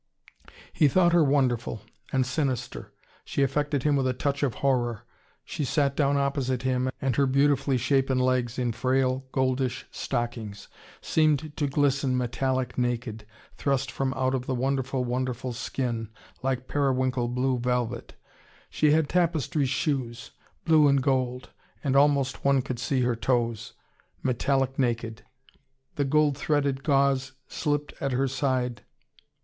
He thought her wonderful, and sinister. She affected him with a touch of horror. She sat down opposite him, and her beautifully shapen legs, in frail, goldish stockings, seemed to glisten metallic naked, thrust from out of the wonderful, wonderful skin, like periwinkle blue velvet. She had tapestry shoes, blue and gold: and almost one could see her toes: metallic naked. The gold threaded gauze slipped at her side.